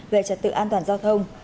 về trật tự an toàn giao thông